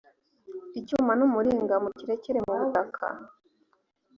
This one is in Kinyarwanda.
icyuma n umuringa mukirekere mu butaka